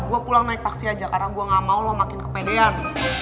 gue pulang naik taksi aja karena gue gak mau lo makin kepedean